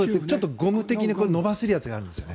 ゴム的に伸ばせるものがあるんですよね。